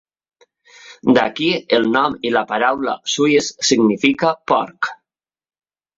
D'aquí el nom i la paraula "suis" significa porc.